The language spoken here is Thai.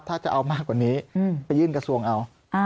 ถ้าจะเอามากกว่านี้ไปยื่นกระทรวงเอา